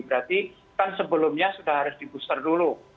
berarti kan sebelumnya sudah harus di booster dulu